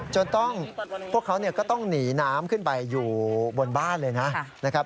จนต้องพวกเขาก็ต้องหนีน้ำขึ้นไปอยู่บนบ้านเลยนะ